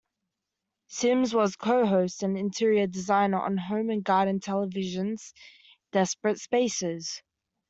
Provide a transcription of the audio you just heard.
Simms was a co-host and interior designer on Home and Garden Television's "Desperate Spaces".